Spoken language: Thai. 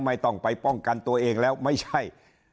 ไม่ต้องไปป้องกันตัวเองแล้วไม่ใช่